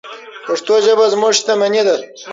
پښتو ژبه زموږ شتمني ده.